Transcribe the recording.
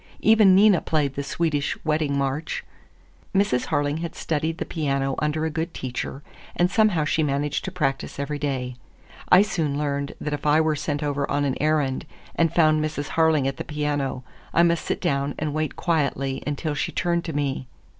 Even Nina played the Swedish Wedding March. Mrs. Harling had studied the piano under a good teacher, and somehow she managed to practice every day. I soon learned that if I were sent over on an errand and found Mrs. Harling at the piano, I must sit down and wait quietly until she turned to me.